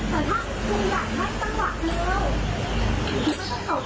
คุณคุยักต์ช้างกว่านี้ค่ะทำได้ไหม